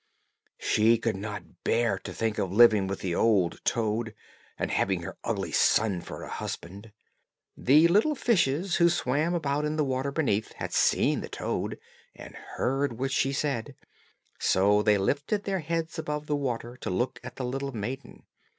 She could not bear to think of living with the old toad, and having her ugly son for a husband. The little fishes, who swam about in the water beneath, had seen the toad, and heard what she said, so they lifted their heads above the water to look at the little maiden.